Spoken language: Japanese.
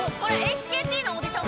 ＨＫＴのオーディション